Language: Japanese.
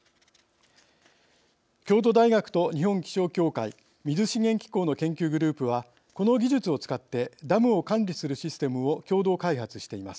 京都大学と日本気象協会水資源機構の研究グループはこの技術を使ってダムを管理するシステムを共同開発しています。